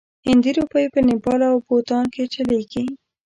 هندي روپۍ په نیپال او بوتان کې چلیږي.